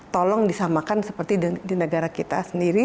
tolong disamakan seperti di negara kita sendiri